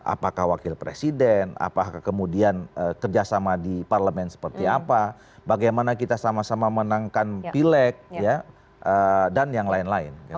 apakah wakil presiden apakah kemudian kerjasama di parlemen seperti apa bagaimana kita sama sama menangkan pileg dan yang lain lain